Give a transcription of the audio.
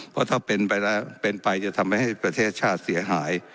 เพราะถ้าเป็นไปแล้วเป็นไปจะทำให้ประเทศชาติเสียหาย